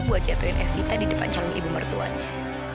buat jatuhin evita di depan calon ibu mertuanya